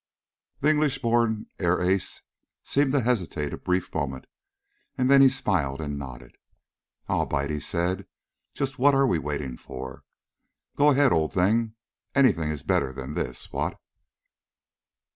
The English born air ace seemed to hesitate a brief moment, and then he smiled and nodded. "I'll bite," he said. "Just what are we waiting for? Go ahead, old thing. Anything is better than this, what?"